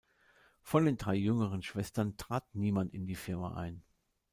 Von den drei jüngeren Schwestern trat niemand in die Firma ein.